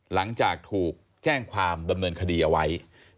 หลังจากถูกแจ้งความดำเนินคดีเอาไว้